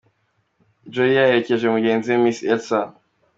Jolly yaherekeje mugenzi we, Miss Elsa.